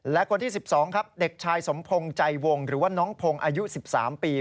และคนที่๑๒ครับเด็กชายสมพงศ์ใจวงหรือว่าน้องพงศ์อายุ๑๓ปี